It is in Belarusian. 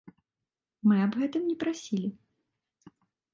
Мы аб гэтым не прасілі.